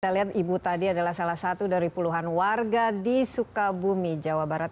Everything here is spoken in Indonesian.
kita lihat ibu tadi adalah salah satu dari puluhan warga di sukabumi jawa barat